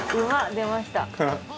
出ました。